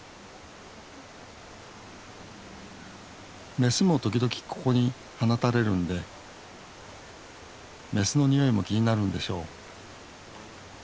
メスも時々ここに放たれるんでメスのにおいも気になるんでしょう。